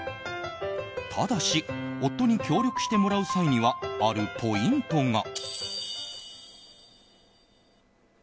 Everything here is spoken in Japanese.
ただし夫に協力してもらう際にはあるポイントが。